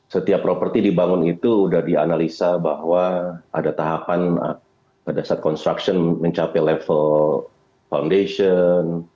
setiap properti dibangun itu sudah dianalisa bahwa ada tahapan pada saat construction mencapai level foundation